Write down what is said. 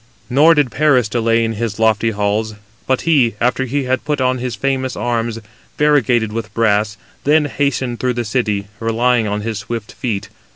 Nor did Paris delay in his lofty halls; but he, after he had put on his famous arms, variegated with brass, then hastened through the city, relying on his swift feet.